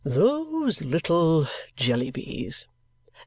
"Those little Jellybys.